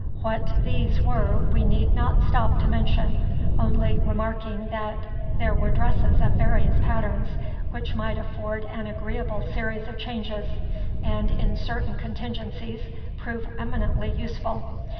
What these were we need not stop to mention, only remarking that there were dresses of various patterns, which might afford an agreeable series of changes, and in certain contingencies prove eminently useful.